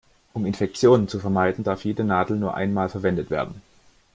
Um Infektionen zu vermeiden, darf jede Nadel nur einmal verwendet werden.